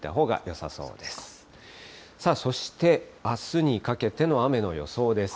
さあそして、あすにかけての雨の予想です。